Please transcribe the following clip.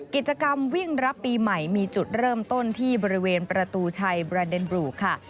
กิจกรรมวิ่งรับปีใหม่มีจุดเริ่มต้นที่บริเวณประตูชัยบราเดนบลูค่ะ